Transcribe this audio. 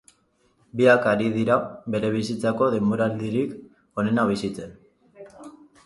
Biak ari dira bere bizitzako denboraldirik onena bizitzen.